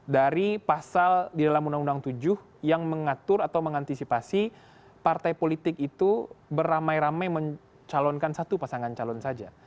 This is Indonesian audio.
dari pasal di dalam undang undang tujuh yang mengatur atau mengantisipasi partai politik itu beramai ramai mencalonkan satu pasangan calon saja